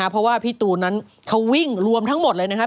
เพราะว่าพี่ตูนนั้นเขาวิ่งรวมทั้งหมดเลยนะครับ